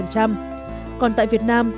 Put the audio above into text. còn tại việt nam